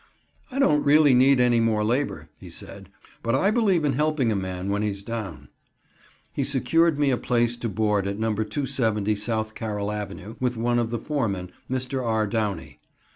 "I don't really need any more labor," he said, "but I believe in helping a man when he's down." He secured me a place to board at No. 270 South Carroll Ave., with one of the foremen, Mr. R. Downey.